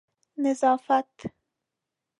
نظافت